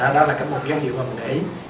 đó là cái một dấu hiệu mà mình để ý